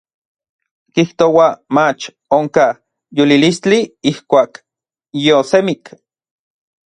Kijtouaj mach onkaj yolilistli ijkuak yiosemik.